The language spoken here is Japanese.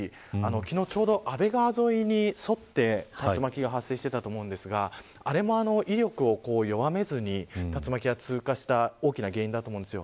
昨日、ちょうど安倍川沿いに沿って竜巻が発生していたと思いますがあれも威力を弱めずに竜巻が通過した大きな原因だと思います。